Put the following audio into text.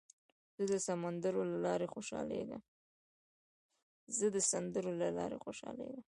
زه د سندرو له لارې خوشحالېږم.